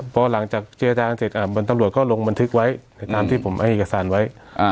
พอหลังจากเจจานเสร็จตำรวจก็ลงบันทึกไว้ตามที่ผมให้เอกสารไว้